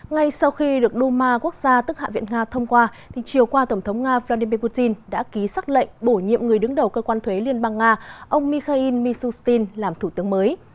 ngay sau khi được duma quốc gia tức hạ viện nga thông qua chiều qua tổng thống nga vladimir putin đã ký xác lệnh bổ nhiệm người đứng đầu cơ quan thuế liên bang nga ông mikhail misustin làm thủ tướng mới